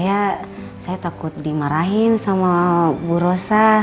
ya saya takut dimarahin sama bu rosa